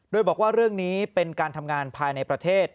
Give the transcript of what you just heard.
โดยบอกว่าเรื่องนี้เป็นการทำงานภายในประเทศ